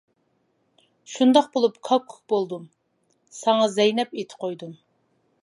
شۇنداق بولۇپ كاككۇك بولدۇم، ساڭا زەينەپ ئېتى قويدۇم.